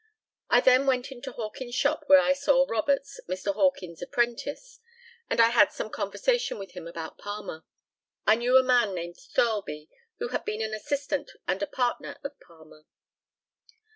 I then went into Hawkins' shop, where I saw Roberts, Mr. Hawkins' apprentice, and I had some conversation with him about Palmer. I knew a man named Thirlby, who had been an assistant and a partner of Palmer.